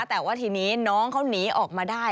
แต่ว่าทีนี้น้องเขาหนีออกมาได้